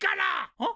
あっ？